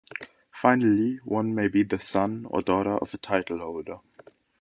Finally, one may be the son or daughter of a title-holder.